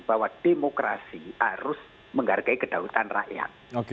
bahwa demokrasi harus menghargai kedaulatan rakyat